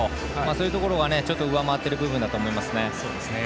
そういうところが上回っている部分だと思いますね。